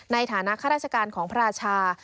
ในฐานะข้าราชการของพระราชา